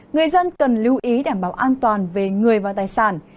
người dân cần lưu ý đảm bảo an toàn về người và tài sản